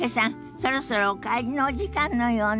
そろそろお帰りのお時間のようね。